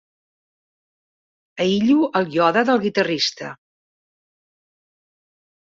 Aïllo el iode del guitarrista.